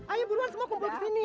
ayo buruan semua kumpul di sini